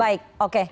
baik baik oke